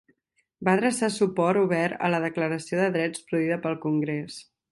Va adreçar suport obert a la Declaració de Drets produïda pel Congrés.